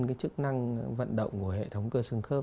cái chức năng vận động của hệ thống cơ xương khớp